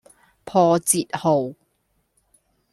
破折號